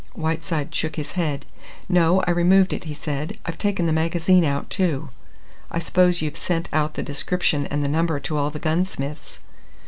Whiteside shook his head. "No, I removed it," he said. "I've taken the magazine out too." "I suppose you've sent out the description and the number to all the gunsmiths?"